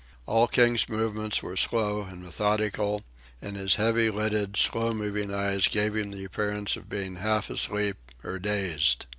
All King's movements were slow and methodical, and his heavy lidded, slow moving eyes gave him the appearance of being half asleep or dazed.